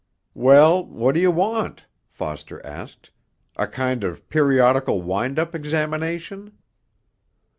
'Well, what do you want,' Foster asked, 'a kind of periodical Wind up Examination?'